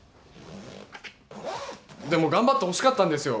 でもがんばってほしかったんです